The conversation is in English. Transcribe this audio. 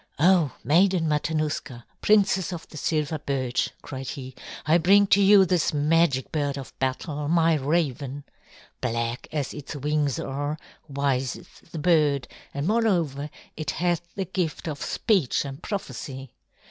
"Oh, Maiden Matanuska, Princess of the Silver Birch," cried he, "I bring to you this magic bird of battle, my raven. Black as its wings are, wise is the bird, and moreover it hath the gift of speech and prophecy.